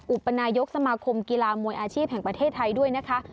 อุปนายกสมาคมกีฬามวยอาชีพแห่งประเทศไทยด้วยนะคะ